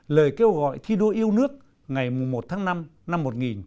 lời kêu gọi thi đua yêu nước ngày một tháng năm năm một nghìn chín trăm bốn mươi tám